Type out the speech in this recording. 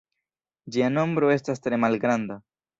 Ĝia nombro estas tre malgranda.